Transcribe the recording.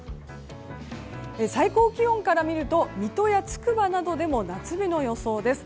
最高気温から見ると水戸やつくばなどでも夏日の予想です。